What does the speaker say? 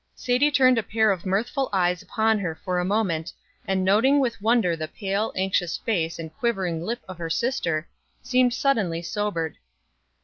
Sadie turned a pair of mirthful eyes upon her for a moment, and noting with wonder the pale, anxious face and quivering lip of her sister, seemed suddenly sobered.